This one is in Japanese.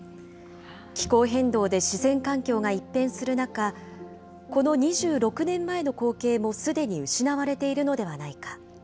気候変動で自然環境が一変する中、この２６年前の光景もすでに失われているのではないか。